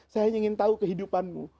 saya ingin tahu kehidupanmu